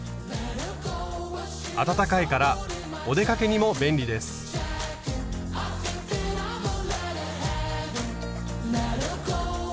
暖かいからお出かけにも便利です。